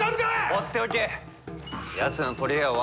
放っておけ。